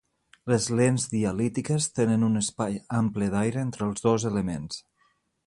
Les lents dialítiques tenen un espai ample d'aire entre els dos elements.